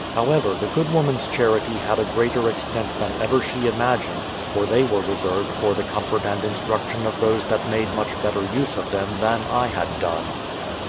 However, the good woman's charity had a greater extent than ever she imagined, for they were reserved for the comfort and instruction of those that made much better use of them than I had done.